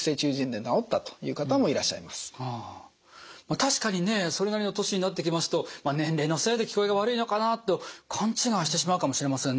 確かにねそれなりの年になってきますと年齢のせいで聞こえが悪いのかなと勘違いしてしまうかもしれませんね。